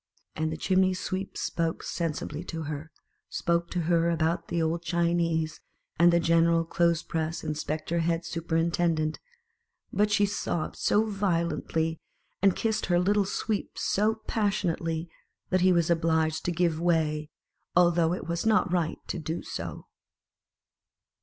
And the Chimney sweep spoke sensibly to her, spoke to her about the old Chinese and the General clothes press inspector head superintendent ; but she sobbed so violently, and kissed her little Sweep so passionately, 8 MM 113 that he was obliged to give way, although it was not right to do so.